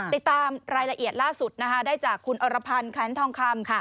ติดตามรายละเอียดล่าสุดได้จากคุณอรพันธ์แขนทองคำ